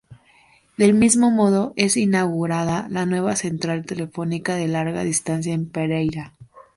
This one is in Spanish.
Del mismo modo, es inaugurada la nueva central telefónica de larga distancia en Pereira.